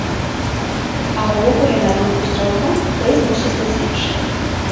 А ўвогуле, на думку стралка, прыз мусіць быць іншы.